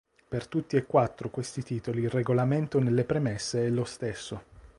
Per tutti e quattro questi titoli il regolamento nelle premesse è lo stesso.